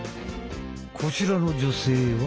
こちらの女性は。